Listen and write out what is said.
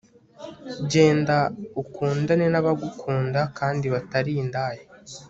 genda ukundane nabagukunda kandi batari indaya